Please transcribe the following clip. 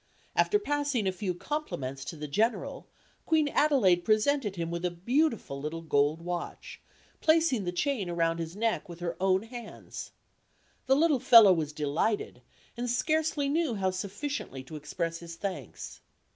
After passing a few compliments with the General, Queen Adelaide presented him with a beautiful little gold watch, placing the chain around his neck with her own hands. The little fellow was delighted, and scarcely knew how sufficiently to express his thanks.